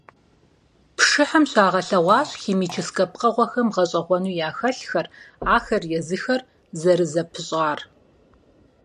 Пшыхьым щагъэлъэгъуащ химическэ пкъыгъуэхэм гъэщIэгъуэну яхэлъхэр, ахэр езыхэр зэрызэпыщIар.